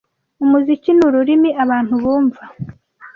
Umuziki ni ururimi abantu bumva.